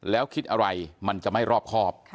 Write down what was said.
แล้วคิดอะไรมันจะไม่รอบครอบ